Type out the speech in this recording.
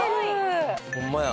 ホンマや。